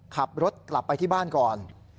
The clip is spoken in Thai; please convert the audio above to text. ขับรถกลับไปที่บ้านก่อน